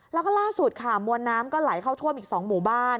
แล้วก็ล่าสุดค่ะมวลน้ำก็ไหลเข้าท่วมอีก๒หมู่บ้าน